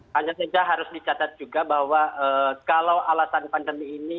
hanya saja harus dicatat juga bahwa kalau alasan pandemi ini